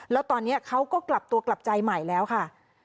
แล้วตอนนี้เขาก็กลับตัวกลับใจใหม่แล้วค่ะ